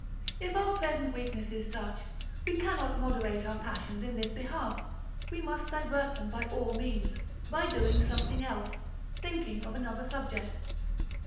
If our present weakness is such, we cannot moderate our passions in this behalf, we must divert them by all means, by doing something else, thinking of another subject.